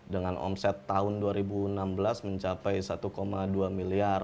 dengan omset tahun dua ribu enam belas mencapai satu dua miliar